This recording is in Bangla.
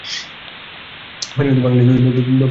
ফেনী নদী বাংলাদেশের দক্ষিণ-পূর্বাঞ্চলে অবস্থিত।